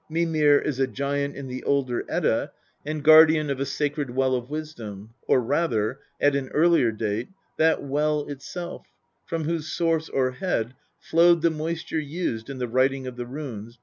Mimir is a giant in the older Edda, and guardian of a sacred well of Wisdom, or rather, at an earlier date, that well itself, from whose source or head flowed the moisture used in the writing of the runes (p.